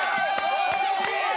惜しい！